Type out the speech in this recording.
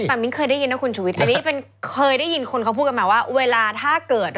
แต่มิ้นเคยได้ยินนะคุณฉวิทย์